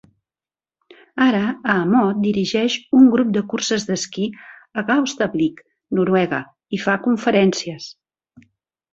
Ara Aamodt dirigeix un grup de curses d'esquí a Gaustablikk, Noruega, i fa conferències.